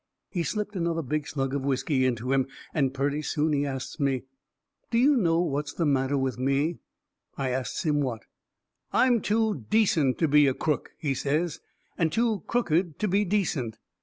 He slipped another big slug of whiskey into him, and purty soon he asts me: "Do you know what's the matter with me?" I asts him what. "I'm too decent to be a crook," he says, "and too crooked to be decent.